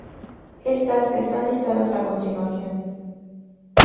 Estas están listadas a continuación.